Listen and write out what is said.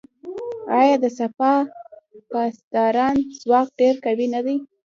آیا د سپاه پاسداران ځواک ډیر قوي نه دی؟